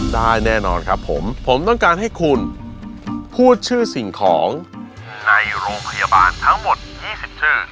ได้แน่นอนครับผมผมต้องการให้คุณพูดชื่อสิ่งของในโรงพยาบาลทั้งหมดยี่สิบห้า